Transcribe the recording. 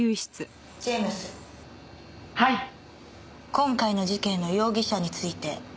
今回の事件の容疑者について。